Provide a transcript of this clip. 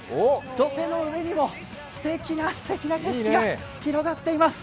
土手の上にもすてきなすてきな景色が広がっています。